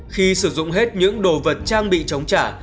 khi sử dụng hết những đồ vật trang bị chống trả